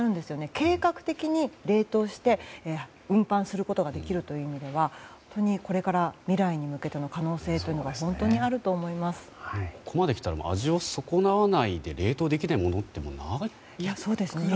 計画的に冷凍して運搬できるという意味では本当にこれから未来に向けての可能性がここまできたら味を損なわないで冷凍できないものがないぐらい。